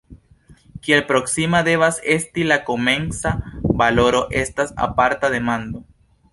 Kiel proksima devas esti la komenca valoro estas aparta demando.